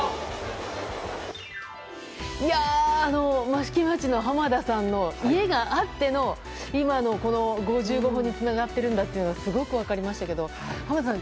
益城町の濱田さんの家があっての今の、この５５本につながっているのがすごく分かりましたけど濱田さん